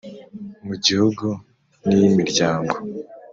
Mu gihugu n iy imiryango